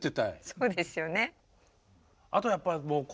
そうですよね。